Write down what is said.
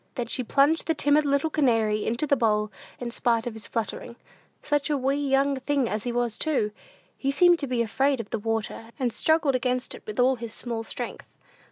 Then she plunged the timid little canary into the bowl, in spite of his fluttering. Such a wee young thing as he was too! He seemed to be afraid of the water, and struggled against it with all his small strength.